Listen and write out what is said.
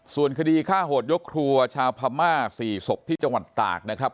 ส่วนคดีฆ่าโหดยกครัวชาวพม่า๔ศพที่จังหวัดตากนะครับ